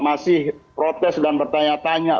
masih protes dan bertanya tanya